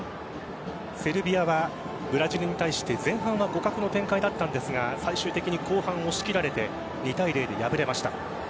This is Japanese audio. セルビアはブラジルに対して前半は互角の展開だったんですが最終的に後半、押し切られて２対０で敗れました。